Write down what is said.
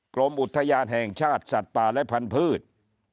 กรมอุทยานแห่งชาติสัตว์ป่าและพันธุ์